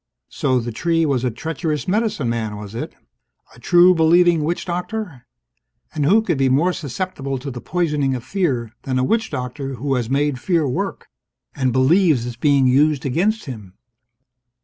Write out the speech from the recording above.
So the tree was a treacherous medicine man, was it? A true believing witch doctor? And who could be more susceptible to the poisoning of fear than a witch doctor who has made fear work and believes it's being used against him?